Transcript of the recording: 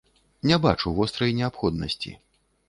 Не бачу вострай неабходнасці.